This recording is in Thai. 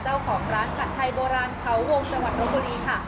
เจ้าของร้านผัดไทยโบราณเขาวงจังหวัดลบบุรีค่ะ